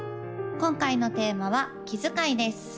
今回のテーマは「気遣い」です